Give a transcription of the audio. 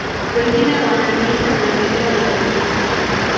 Wengine wanaliita maendeleo ya vitu